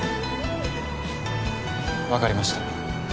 わかりました。